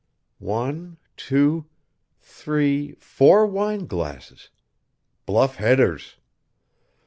One, two, three, four wineglasses. Bluff Headers!"